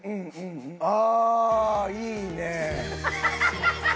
ああいいねえ。